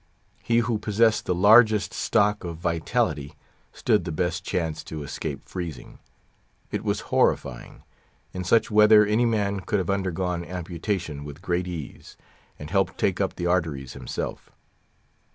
He who possessed the largest stock of vitality, stood the best chance to escape freezing. It was horrifying. In such weather any man could have undergone amputation with great ease, and helped take up the arteries himself.